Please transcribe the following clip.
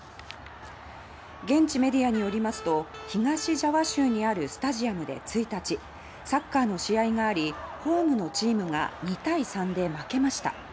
現地メディアによりますと東ジャワ州にあるスタジアムで１日サッカーの試合がありホームのチームが２対３で負けました。